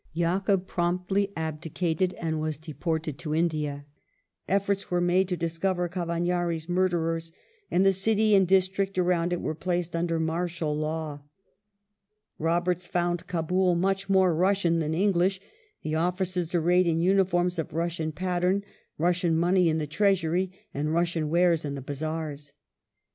Yakub promptly abdicated and was de ported to India. Efforts were made to discover Cavagnari's murderei s, and the city and district around it were placed under martial law. Roberts found Kabul " much more Russian than English, the officers arrayed in uniforms of Russian pattern, Russian money in the treasury, and Russian wares in the Bazaars ".